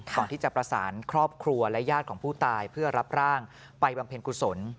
ก่อนที่จะประสานครอบครัวและญาติของผู้ตายเพื่อรับร่างไปบำเพ็ญกุศล